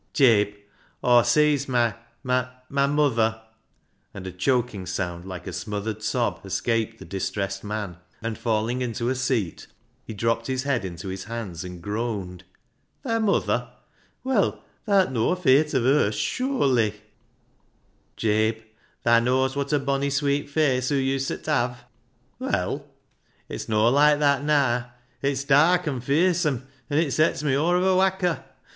384 BECKSIDE LIGHTS " Jabe, Aw sees — my — my~muther," and a choking sound like a smothered sob escaped the distressed man, and falling into a seat, he dropped his head into his hands and groaned. " Thi muther ! Well, tha'rt noa feart of her sure//? "" Jabe, thaa knaaws wot a bonny sweet face hoo uset have." "Well?" " It's noa loikc that naa ; it's dark an' fearsome, an' it sets me aw of a whacker.